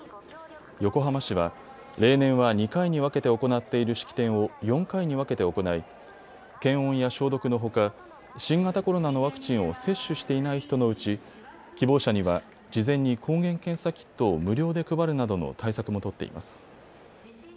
横浜市は例年は２回に分けて行っている式典を４回に分けて行い検温や消毒のほか新型コロナのワクチンを接種していない人のうち希望者には事前に抗原検査キットを無料で配るなどの対策も取っています。